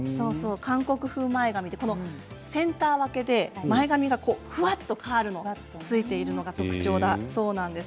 韓国風前髪、センター分けで前髪がふわっとカールがついているものが特徴だそうです。